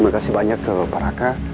minta lak sawan ini ftb